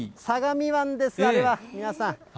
相模湾です、あれは、皆さん。